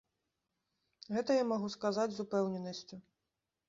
Гэта я магу сказаць з упэўненасцю.